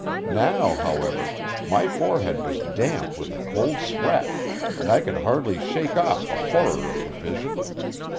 Now, however, my forehead was damp with a cold sweat, and I could hardly shake off the horror of the vision.